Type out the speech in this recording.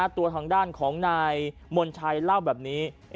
ตัวทางด้านของนายมนชัยเล่าแบบนี้